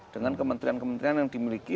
dengan kementerian kementerian yang dimiliki